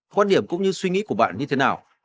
quan điểm cũng như suy nghĩ của bạn như thế nào